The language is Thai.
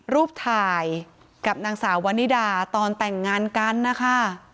รูปถ่ายกับนางสาววานิดาตอนแต่งงานกันนะคะ